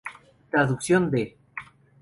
Traducción de